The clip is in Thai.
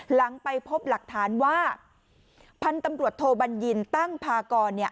หลังไปพบหลักฐานว่าพันธุ์ตำรวจโทบัญญินตั้งพากรเนี่ย